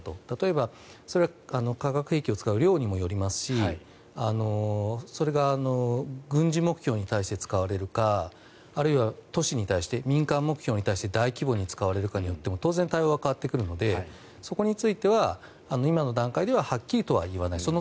例えば、それは化学兵器を使う量にもよりますしそれが軍事目標に対して使われるかあるいは都市に対して民間目標に対して大規模に使われるかによっても当然、対応は変わってくるのでそこについては今の段階でははっきりとは言わない。